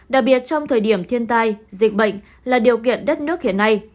đặc biệt trong thời điểm thiên tai dịch bệnh là điều kiện đất nước hiện nay